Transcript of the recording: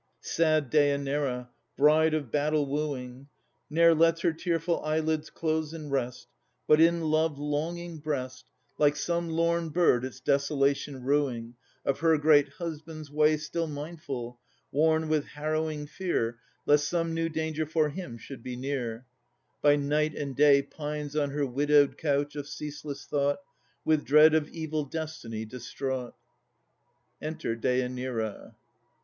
Sad Dêanira, bride of battle wooing, I 2 Ne'er lets her tearful eyelids close in rest, But in love longing breast, Like some lorn bird its desolation rueing, Of her great husband's way Still mindful, worn with harrowing fear Lest some new danger for him should be near, By night and day Pines on her widowed couch of ceaseless thought, With dread of evil destiny distraught: [Enter DÊANIRA.